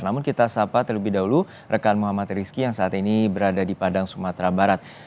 namun kita sapa terlebih dahulu rekan muhammad rizky yang saat ini berada di padang sumatera barat